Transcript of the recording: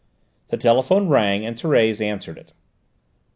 The telephone bell rang and Thérèse answered it.